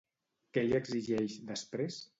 Què li exigeix després?